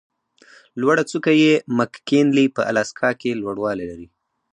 لوړه څوکه یې مک کینلي په الاسکا کې لوړوالی لري.